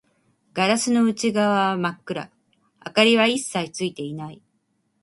ガラスの内側は真っ暗、明かりは一切ついていない